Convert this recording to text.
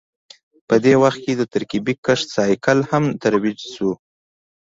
په دې وخت کې د ترکیبي کښت سایکل هم ترویج شو